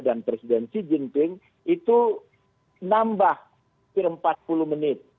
dan presiden xi jinping itu nambah kira kira empat puluh menit